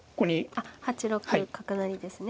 あっ８六角成ですね。